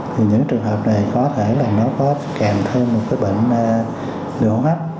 thì những trường hợp này có thể là nó có kèm thêm bệnh lưu hỗn hấp